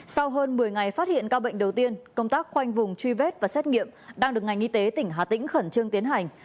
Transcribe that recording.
sau hơn một mươi ngày phát hiện ca bệnh đầu tiên công tác khoanh vùng truy vết và xét nghiệm đang được ngành y tế tỉnh hà tĩnh khẩn trương tiến hành